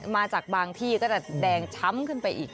มาจากบางที่ก็จะแดงช้ำขึ้นไปอีก